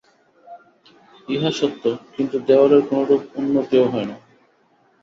ইহা সত্য, কিন্তু দেওয়ালের কোনরূপ উন্নতিও হয় না।